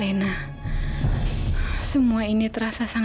kalau antda itu masih dari belovedusi pertamaali kok